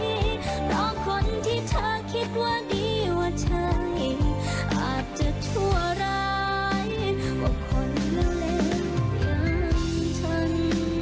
เพราะคนที่เธอคิดว่าดีว่าใช่อาจจะชั่วร้ายว่าคนเลวยังชน